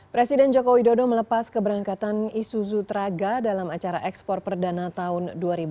presiden joko widodo melepas keberangkatan isuzu traga dalam acara ekspor perdana tahun dua ribu sembilan belas